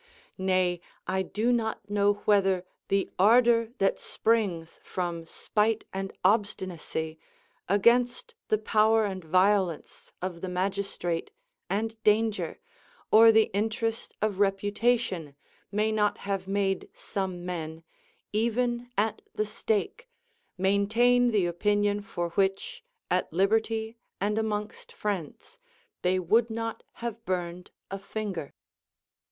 Nay, I do not know whether the ardour that springs from spite and obstinacy, against the power and violence of the magistrate and danger, or the interest of reputation, may not have made some men, even at the stake, maintain the opinion for which, at liberty, and amongst friends, they would not have burned a finger.